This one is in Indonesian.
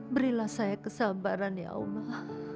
berilah saya kesabaran ya allah